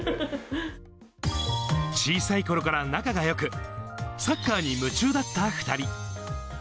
小さいころから仲がよく、サッカーに夢中だった２人。